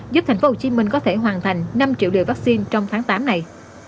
giúp thành phố hồ chí minh có thể hoàn thành năm triệu liều vaccine trong tháng tám này